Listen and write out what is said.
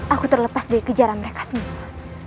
aku terlepas dari kejaran mereka semua